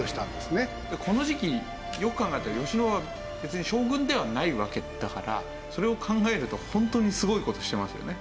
この時期よく考えたら慶喜は別に将軍ではないわけだからそれを考えると本当にすごい事してますよね。